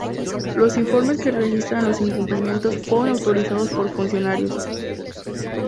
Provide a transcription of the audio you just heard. Los informes que registran los incumplimientos fueron autorizados por funcionarios.